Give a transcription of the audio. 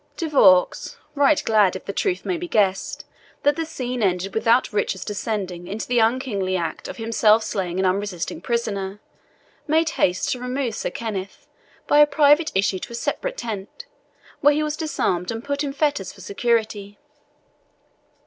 De Vaux, right glad, if the truth may be guessed, that the scene ended without Richard's descending to the unkingly act of himself slaying an unresisting prisoner, made haste to remove Sir Kenneth by a private issue to a separate tent, where he was disarmed, and put in fetters for security.